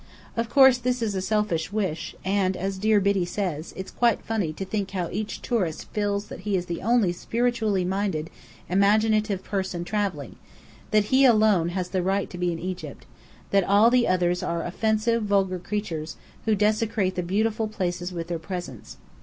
Of course, this is a selfish wish; and as dear Biddy says, it's quite funny to think how each tourist feels that he is the only spiritual minded, imaginative person travelling that he alone has the right to be in Egypt that all the others are offensive, vulgar creatures, who desecrate the beautiful places with their presence.